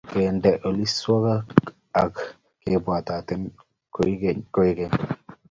Kende ogilisiekcho ak kebwatate koigeny